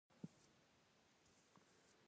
یوازې د ده د شونډو او ژبې جګړه وه.